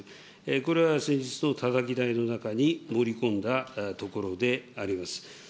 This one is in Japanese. これは先日のたたき台の中に盛り込んだところであります。